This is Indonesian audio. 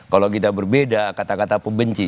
kalau kita berbeda kata kata pembenci